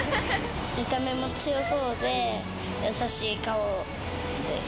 見た目も強そうで、優しい顔です。